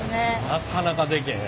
なかなかでけへん。